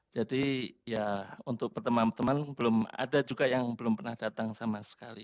jadi ya untuk teman teman belum ada juga yang belum pernah datang sama sekali